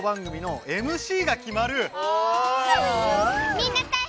みんなたいへん！